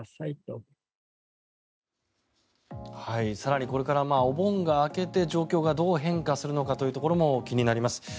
更にこれからお盆が明けて状況がどう変化するかというところも気になります。